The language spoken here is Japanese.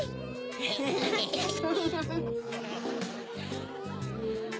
フフフ。